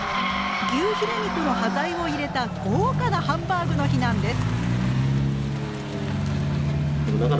牛ヒレ肉の端材を入れた豪華なハンバーグの日なんです。